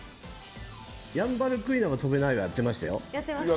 ヤンバルクイナは飛べないはやってましたよ。